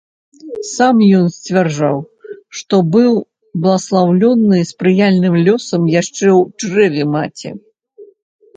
Сам ён сцвярджаў, што быў бласлаўлёны спрыяльным лёсам яшчэ ў чэраве маці.